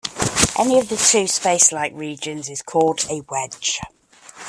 Any of the two spacelike regions is called a wedge.